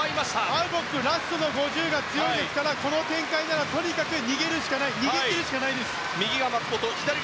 アウボックラストの５０が強いですからこの展開ならとにかく逃げ切るしかないです。